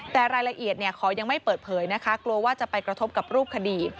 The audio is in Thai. แต่รายละเอียดขอยังไม่เปิดเผยนะคะกลัวว่าจะไปกระทบกับรูปคดี